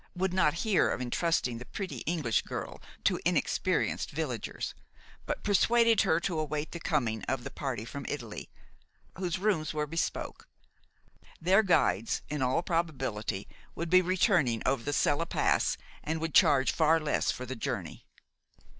would not hear of intrusting the pretty English girl to inexperienced villagers, but persuaded her to await the coming of a party from Italy, whose rooms were bespoke. Their guides, in all probability, would be returning over the Sella Pass, and would charge far less for the journey.